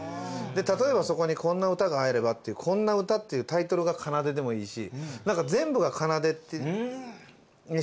「たとえばそこにこんな歌があれば」っていう「こんな歌」っていうタイトルが『奏』でもいいし。